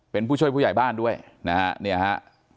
เป็นผู้ช่วยผู้ใหญ่บ้านด้วยนะครับ